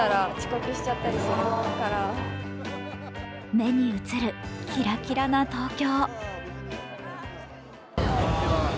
目に映る、キラキラな東京。